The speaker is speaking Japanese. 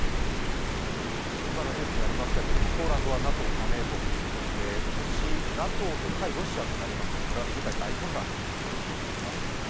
今のニュースにありましたけれども、ポーランドはＮＡＴＯ加盟国ということで、もしＮＡＴＯと対ロシアとなりますと、これは世界大混乱ということになります。